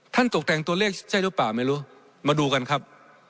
ตกแต่งตัวเลขใช่หรือเปล่าไม่รู้มาดูกันครับ